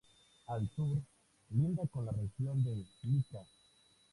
Al Sur, linda con la región de Lika.